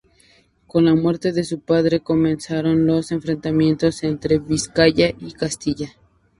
Con la muerte su padre comenzaron los enfrentamientos entre Vizcaya y Castilla.